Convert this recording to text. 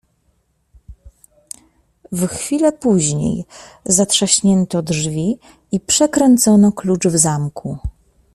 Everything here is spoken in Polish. "W chwile później zatrzaśnięto drzwi i przekręcono klucz w zamku."